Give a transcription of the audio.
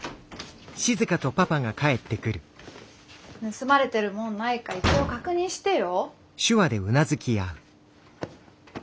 盗まれてる物ないか一応確認してよ。